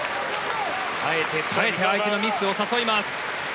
耐えて、耐えて相手のミスを誘います。